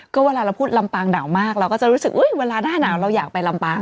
ก็เวลาเราพูดลำปางหนาวมากเราก็จะรู้สึกเวลาหน้าหนาวเราอยากไปลำปาง